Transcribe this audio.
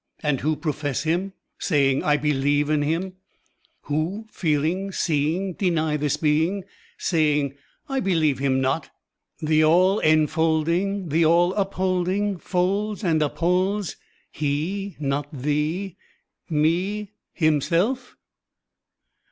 And who profess Him, Saying: I believe in Him I Who, feeling, seeing, Deny this being. Saying: I beUeve Him not! The All enfolding. The All upholding, Folds and upholds He not Thee, me. Himself?